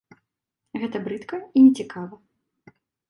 Гэта брыдка і нецікава.